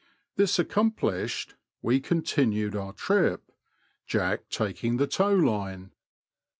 This accomplished, we continued our trip. Jack taking the tow line.